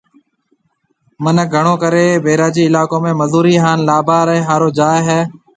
مِنک گھڻو ڪرَي بئيراجي علائقون ۾ مزوري ھان لاڀارَي ھارُو جائيَ ھيََََ